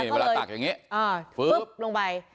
เวลาตักอย่างนี้ฟึ๊บลงไป